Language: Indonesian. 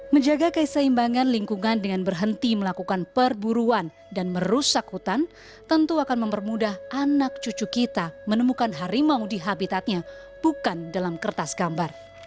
menjaga keseimbangan lingkungan dengan berhenti melakukan perburuan dan merusak hutan tentu akan mempermudah anak cucu kita menemukan harimau di habitatnya bukan dalam kertas gambar